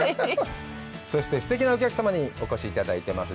そして、すてきなお客様にお越しいただいてます。